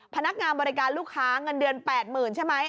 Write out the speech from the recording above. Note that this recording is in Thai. พนักงานบริการลูกค้าเงินเดือน๘๐๐๐ใช่ไหม